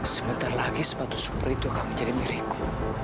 sebentar lagi sepatu super itu akan menjadi milikku